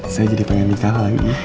saya jadi pengen nikah lagi